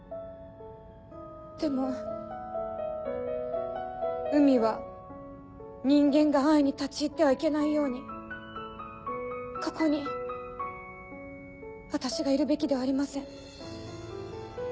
でも海は人間が安易に立ち入ってはいけないようにここに私がいるべきではありません。